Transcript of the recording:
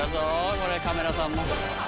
これカメラさんも。